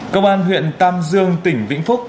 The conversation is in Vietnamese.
công an huyện tam dương tỉnh vĩnh phúc